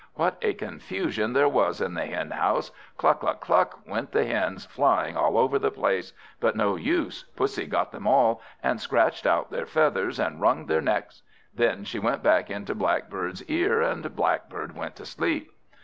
What a confusion there was in the henhouse. Cluck cluck cluck went the hens, flying all over the place; but no use: Pussy got them all, and scratched out their feathers, and wrung their necks. Then she went back into Blackbird's ear, and Blackbird went to sleep.